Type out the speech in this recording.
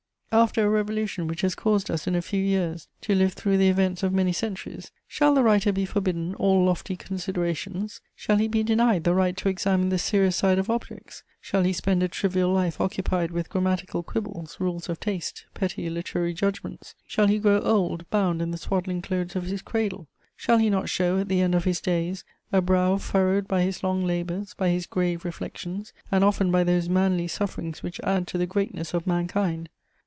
After a revolution which has caused us, in a few years, to live through the events of many centuries, shall the writer be forbidden all lofty considerations, shall he be denied the right to examine the serious side of objects? Shall he spend a trivial life occupied with grammatical quibbles, rules of taste, petty literary judgments? Shall he grow old, bound in the swaddling clothes of his cradle? Shall he not show, at the end of his days, a brow furrowed by his long labours, by his grave reflections, and often by those manly sufferings which add to the greatness of mankind?